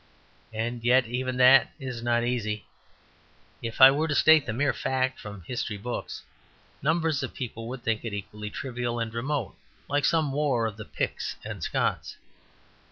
And yet even that is not easy. If I were to state the mere fact from the history books, numbers of people would think it equally trivial and remote, like some war of the Picts and Scots.